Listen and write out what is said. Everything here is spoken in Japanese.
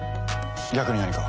逆に何か？